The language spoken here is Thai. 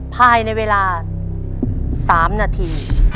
ภายในเวลา๓นาที